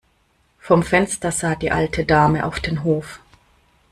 Vom Fenster sah die alte Dame auf den Hof.